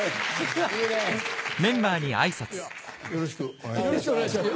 よろしくお願いします。